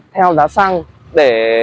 theo giá xăng để